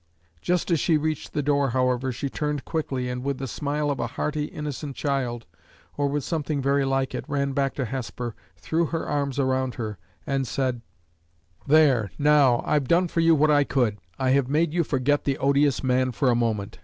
Just as she reached the door, however, she turned quickly, and, with the smile of a hearty, innocent child, or something very like it, ran back to Hesper, threw her arms round her, and said: "There, now! I've done for you what I could: I have made you forget the odious man for a moment.